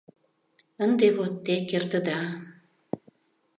Ынде вот те кертыда...